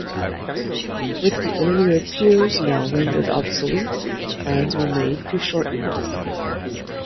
With the earlier piers now rendered obsolete, plans were made to shorten them.